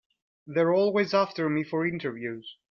They're always after me for interviews.